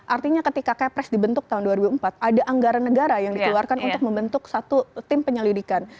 artinya ketika kepres dibentuk tahun dua ribu empat ada anggaran negara yang dikeluarkan untuk membentuk satu tim penyelidikan